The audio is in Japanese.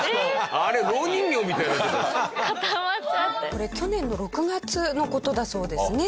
これ去年の６月の事だそうですね。